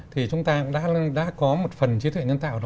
thì chúng ta cũng đã có một phần trí tuệ nhân tạo